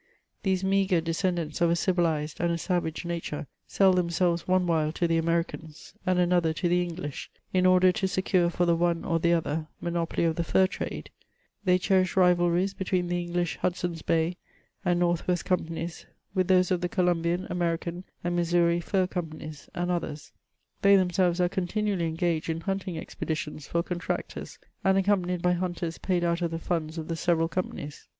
These meagre descendants of a civilised and a savage nature, sell themselves one while to the Americans and another to the English, in order to secure for the one or the other monopoly of the fur trade ; they cherish rivalries between the English Hudson's Bay and North West Companies with those of the Columbian, American, and Missouri Fur Com panies, and others ; they themselves are continually engaged in hunting expeditions for contractors, and accompanied by hunters paid out of the funds of the several companies.